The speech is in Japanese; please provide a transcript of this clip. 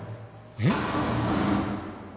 えっ？